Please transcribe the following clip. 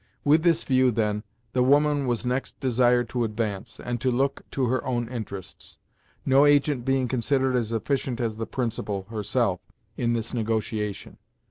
With this view, then, the woman was next desired to advance, and to look to her own interests; no agent being considered as efficient as the principal, herself, in this negotiation.